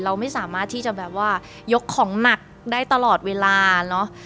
เราไม่สามารถที่จะแบบว่ายกของหนักได้ตลอดเวลาเนอะ